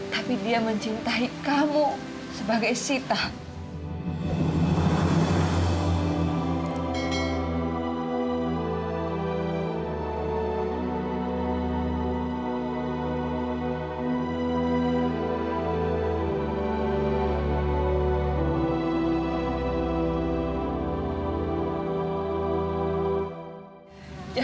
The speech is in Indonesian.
tapi dia mencintai kamu sebagai sita